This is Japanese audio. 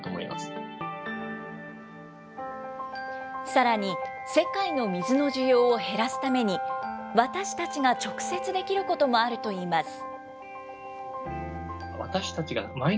さらに、世界の水の需要を減らすために、私たちが直接できることもあるといいます。